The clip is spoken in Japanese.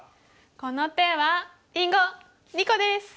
この手はりんご２個です！